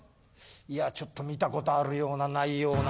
いやちょっと見たことあるようなないような。